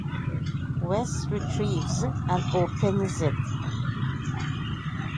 West retrieves and opens it.